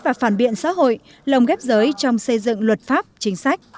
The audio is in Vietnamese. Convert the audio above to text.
và phản biện xã hội lồng ghép giới trong xây dựng luật pháp chính sách